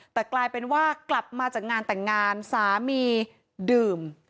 แต่กลายเป็นว่ากลับมาจากงานแต่งงานสามีดื่ม